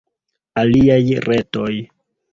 Aliaj retoj.